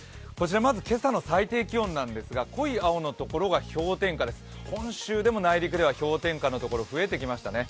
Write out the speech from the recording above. まず今朝の最低気温なんですが、濃い青のところが氷点下です、今週でも内陸では氷点下のところが増えてきましたね。